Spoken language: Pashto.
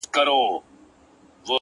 چي ته بېلېږې له خپل كوره څخه’